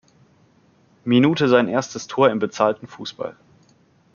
Minute sein erstes Tor im bezahlten Fußball.